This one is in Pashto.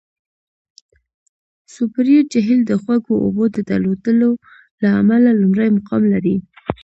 سوپریر جهیل د خوږو اوبو د درلودلو له امله لومړی مقام لري.